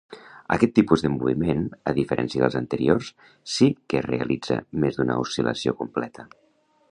Aquest tipus de moviment, a diferència dels anteriors, sí que realitza més d'una oscil·lació completa.